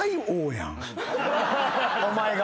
お前が。